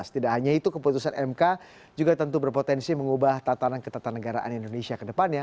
tidak hanya itu keputusan mk juga tentu berpotensi mengubah tatanan ketatanegaraan indonesia ke depannya